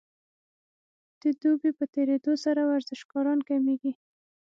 د دوبي په تیریدو سره ورزشکاران کمیږي